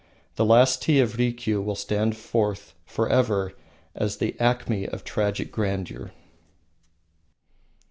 The "Last Tea of Rikiu" will stand forth forever as the acme of tragic grandeur.